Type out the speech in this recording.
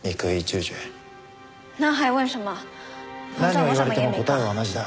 何を言われても答えは同じだ。